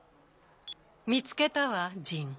見つけたわジン。